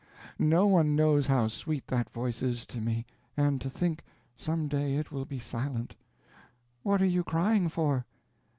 No one knows how sweet that voice is to me; and to think some day it will be silent! What are you crying for?"